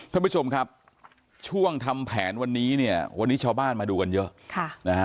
ท่านผู้ชมครับช่วงทำแผนวันนี้เนี่ยวันนี้ชาวบ้านมาดูกันเยอะค่ะนะฮะ